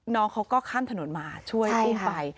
น้องเขาก็ขั้นถนนหมาช่วยเข้าไป